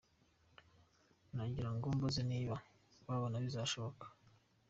Nagira ngo mbaze niba babona bizashoboka.